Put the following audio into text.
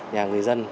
nhà người dân